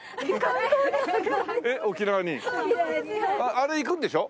あれ行くんでしょ？